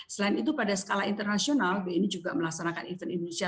selain itu pada skala internasional bni juga melaksanakan event indonesia